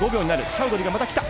チャウドリーがまた来た！